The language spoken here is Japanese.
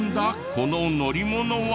この乗り物は。